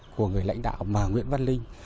của người lãnh đạo nguyễn văn linh